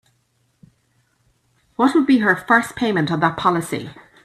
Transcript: What would be her first payment on that policy?